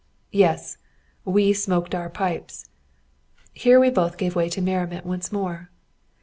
"Yes, we smoked our pipes." Here we both gave way to merriment once more.